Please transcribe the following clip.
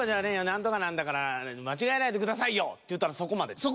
何とかなんだから間違えないでくださいよ」って言うたらそこまでと。